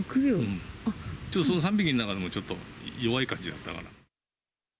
その３匹の中でもちょっと弱い感じだったかな。